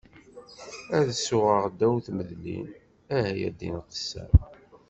Ad suɣeɣ ddaw tmedlin, ah ya ddin qessam!